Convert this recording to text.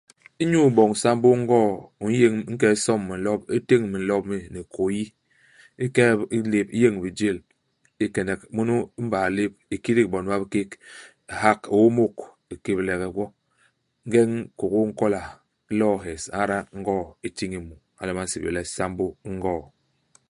Inyu iboñ sambô i ngoo, u n'yeñ, u nke u somb minlop. U téñ minlop mi ni hikôyi. U kee i lép. U yéñ bijél. U kenek munu i mbaa lép, u kidik bon ba bikék, u hak u ômôk. U kébelége gwo. Ingeñ kôkôa i nkola, u lo'o i hés. U ñada ngoo i tiñi mu. Hala nyen ba nsébél le sambô i ngoo.